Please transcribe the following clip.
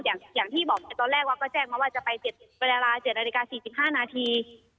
อย่างอย่างที่บอกตอนแรกว่าก็แจ้งมาว่าจะไปเจ็ดเวลาเจ็ดนาฬิกาสี่สิบห้านาที